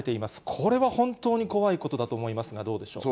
これは本当に怖いことだと思いますが、どうでしょうか。